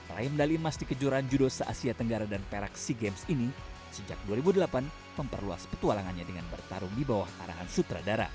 raih medali emas di kejuaraan judo se asia tenggara dan perak sea games ini sejak dua ribu delapan memperluas petualangannya dengan bertarung di bawah arahan sutradara